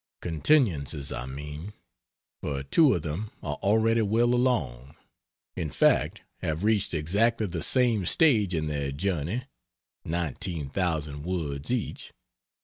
Continuances, I mean; for two of them are already well along in fact have reached exactly the same stage in their journey: 19,000 words each.